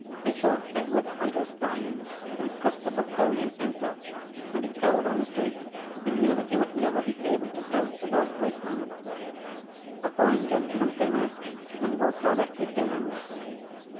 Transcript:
He saw Edward Edelstein and Christopher Cronin enter and he cowered on the street and knew that he would never be able to talk to those great men. A fine gentleman came out and walked directly to him.